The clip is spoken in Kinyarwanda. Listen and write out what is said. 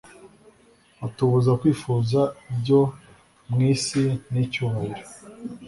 Atubuza kwifuza ibyo mu isi n’icyubahiro